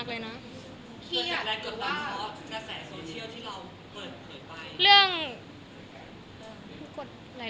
ประมาณ๒เดือนกว่า